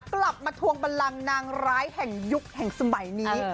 กลับมาทวงบันลังนางร้ายแห่งยุคแห่งสมัยนี้